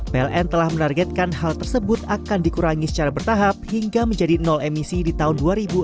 pln telah menargetkan hal tersebut akan dikurangi secara bertahap hingga menjadi nol emisi di tahun dua ribu dua puluh